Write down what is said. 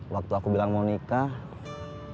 waktu aku bilang mau nikah